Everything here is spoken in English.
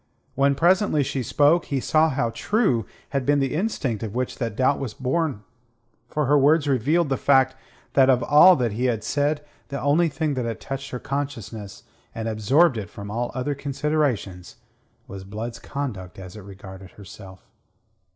When presently she spoke, he saw how true had been the instinct of which that doubt was born, for her words revealed the fact that of all that he had said the only thing that had touched her consciousness and absorbed it from all other considerations was Blood's conduct as it regarded herself.